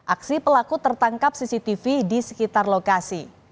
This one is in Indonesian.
aksi pelaku tertangkap cctv di sekitar lokasi